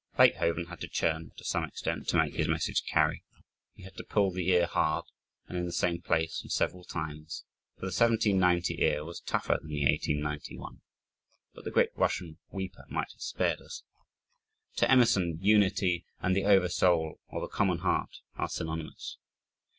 Beethoven had to churn, to some extent, to make his message carry. He had to pull the ear, hard and in the same place and several times, for the 1790 ear was tougher than the 1890 one. But the "great Russian weeper" might have spared us. To Emerson, "unity and the over soul, or the common heart, are synonymous."